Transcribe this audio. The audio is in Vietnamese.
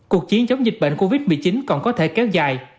cuộc chiến chống dịch bệnh covid một mươi chín còn có thể kéo dài